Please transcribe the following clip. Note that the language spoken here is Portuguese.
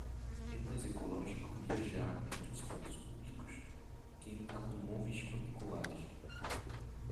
É mais ecológico viajar em transportes públicos que em automóveis particulares.